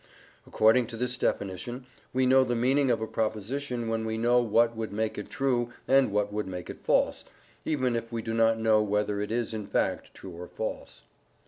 According to this definition, we know the meaning of a proposition when we know what would make it true and what would make it false, even if we do not know whether it is in fact true or false.